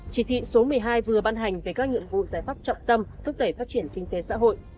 chỉ thị số một mươi hai vừa ban hành về các nhiệm vụ giải pháp trọng tâm thúc đẩy phát triển kinh tế xã hội